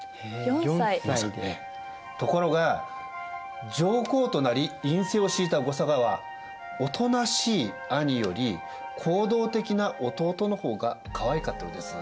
ところが上皇となり院政をしいた後嵯峨はおとなしい兄より行動的な弟の方がかわいかったようです。